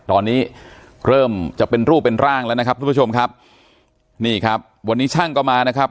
ตอนนี้เริ่มจะเป็นรูปเป็นร่างแล้วนะครับทุกผู้ชมครับนี่ครับวันนี้ช่างก็มานะครับ